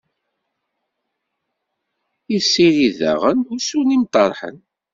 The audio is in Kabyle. Yessirid daɣen ussu n yimṭarḥen.